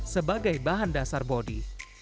sebagai bahan dasar bodi